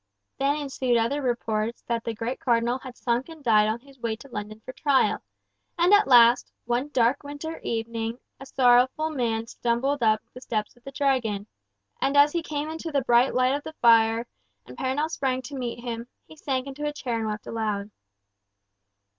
Then ensued other reports that the great Cardinal had sunk and died on his way to London for trial; and at last, one dark winter evening, a sorrowful man stumbled up the steps of the Dragon, and as he came into the bright light of the fire, and Perronel sprang to meet him, he sank into a chair and wept aloud.